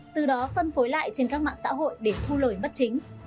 từ đó phân phối lại trên các mạng xã hội để thu lời bất chính